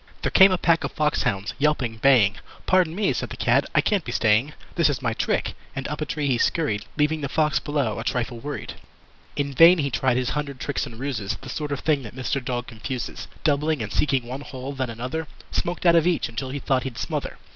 There came a pack of fox hounds yelping, baying. "Pardon me", said the Cat. "I can't be staying. This is my trick." And up a tree he scurried, Leaving the Fox below a trifle worried. In vain he tried his hundred tricks and ruses (The sort of thing that Mr. Dog confuses) Doubling, and seeking one hole, then another Smoked out of each until he thought he'd smother.